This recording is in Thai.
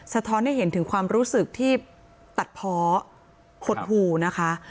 ท้อนให้เห็นถึงความรู้สึกที่ตัดเพาะหดหูนะคะ